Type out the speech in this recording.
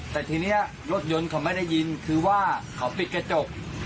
แต่ทีนี้รถยนต์เขาไม่ได้ยินคือว่าเขาปิดกระจก